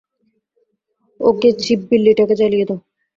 ওকে, Chip, বিল্লিটাকে জ্বালিয়ে দাও।